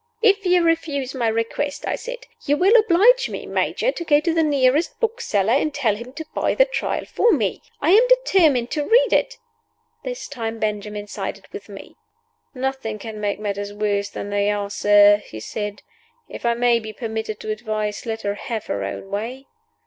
"If you refuse my request," I said, "you will oblige me, Major, to go to the nearest bookseller and tell him to buy the Trial for me. I am determined to read it." This time Benjamin sided with me. "Nothing can make matters worse than they are, sir," he said. "If I may be permitted to advise, let her have her own way."